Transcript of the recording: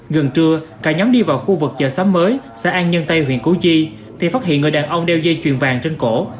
gần trưa cả nhóm đi vào khu vực chợ xóm mới xã an nhân tây huyện củ chi thì phát hiện người đàn ông đeo dây chuyền vàng trên cổ